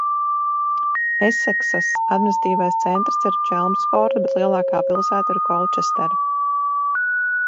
Eseksas administratīvais centrs ir Čelmsforda, bet lielākā pilsēta ir Kolčestera.